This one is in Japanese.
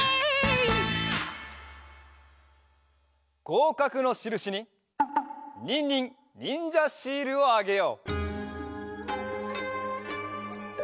ごうかくのしるしにニンニンにんじゃシールをあげよう！